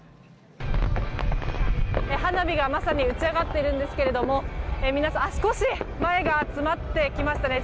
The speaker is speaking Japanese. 花火が打ち上がっているんですけれども少し前が詰まってきましたね。